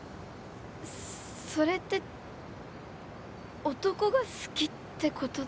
それって男が好きってことですか？